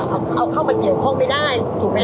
เอาเข้ามาเกี่ยวข้องไม่ได้